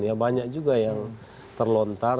ya banyak juga yang terlontar